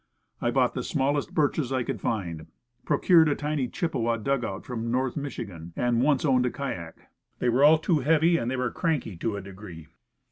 I bought the smallest birches I could find; procured a tiny Chippewa dug out from North Michigan, and once owned a kyak. They were all too heavy, and they were cranky to a degree.